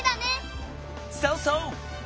そうそう！